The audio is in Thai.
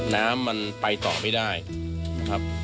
น้ำมันไปต่อไม่ได้นะครับ